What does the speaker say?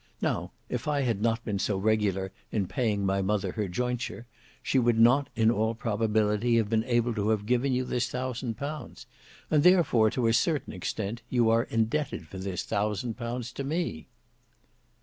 Now if I had not been so regular in paying my mother her jointure, she would not in all probability have been able to have given you this thousand pounds; and, therefore, to a certain extent, you are indebted for this thousand pounds to me."